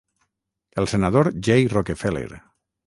El senador Jay Rockefeller.